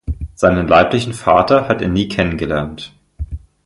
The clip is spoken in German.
Seinen leiblichen Vater hat er nie kennengelernt.